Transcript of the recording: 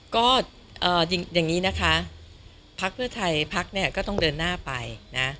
ก็อย่างนี้นะคะพักเพื่อไทยพักเนี่ยก็ต้องเดินหน้าไปนะ